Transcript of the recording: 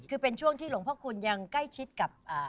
คือเป็นช่วงที่หลวงพ่อคุณยังใกล้ชิดกับ